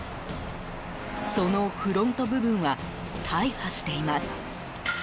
そのフロント部分は大破しています。